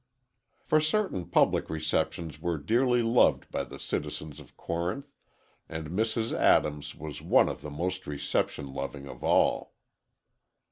For certain public receptions were dearly loved by the citizens of Corinth, and Mrs. Adams was one of the most reception loving of all.